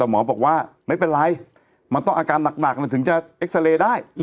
แต่หมอบอกว่าไม่เป็นไรมันต้องอาการหนักถึงจะเอ็กซาเรย์ได้